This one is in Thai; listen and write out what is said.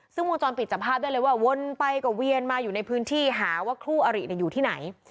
ซึ่งวงจรปิดจับภาพได้เลยว่าวนไปก็เวียนมาอยู่ในพื้นที่หาว่าคู่อริอยู่ที่ไหน